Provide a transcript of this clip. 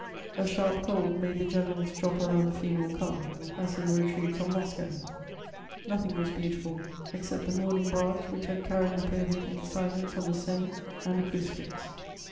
A sharp cold made the generals drop around the funeral car, as in the retreat from Moscow. Nothing was beautiful, except the mourning barge which had carried Napoleon in silence on the Seine, and a crucifix.